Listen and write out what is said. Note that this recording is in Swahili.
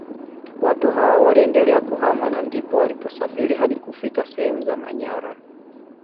Watu hawa waliendelea kuhama na ndipo waliposafiri hadi kufika sehemu za Manyara